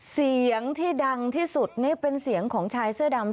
เสียงที่ดังที่สุดนี่เป็นเสียงของชายเสื้อดำ